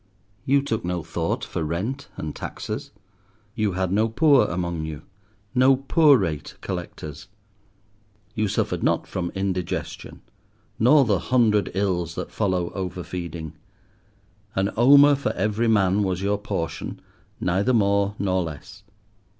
You took no thought for rent and taxes; you had no poor among you—no poor rate collectors. You suffered not from indigestion, nor the hundred ills that follow over feeding; an omer for every man was your portion, neither more nor less.